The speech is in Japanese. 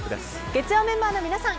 月曜メンバーの皆さん